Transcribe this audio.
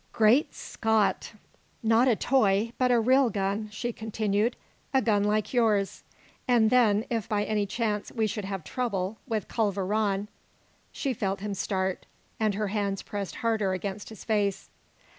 "Great Scott!" "Not a toy but a real gun," she continued. "A gun like yours. And then, if by any chance we should have trouble with Culver Rann " She felt him start, and her hands pressed harder against his face.